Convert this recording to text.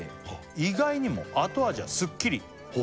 「意外にも後味はすっきり」ほう！